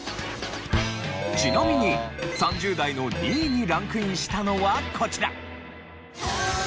ちなみに３０代の２位にランクインしたのはこちら。